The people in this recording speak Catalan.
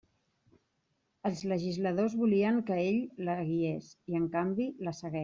Els legisladors volien que ell la guiés, i, en canvi, la segueix.